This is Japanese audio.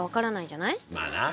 まあな。